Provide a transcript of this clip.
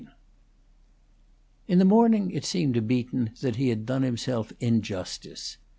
In the morning it seemed to Beaton that he had done himself injustice.